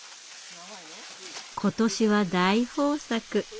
今年は大豊作。